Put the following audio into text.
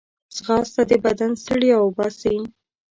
ځغاسته د بدن ستړیا وباسي